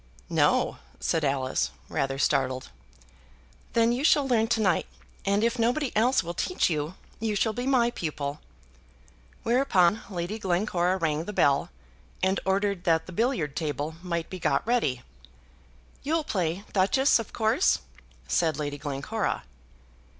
"No," said Alice, rather startled. "Then you shall learn to night, and if nobody else will teach you, you shall be my pupil." Whereupon Lady Glencora rang the bell and ordered that the billiard table might be got ready. "You'll play, Duchess, of course," said Lady Glencora.